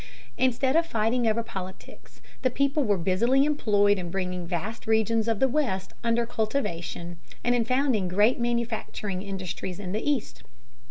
Instead of fighting over politics, the people were busily employed in bringing vast regions of the West under cultivation and in founding great manufacturing industries in the East.